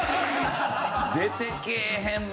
出てけえへんわ。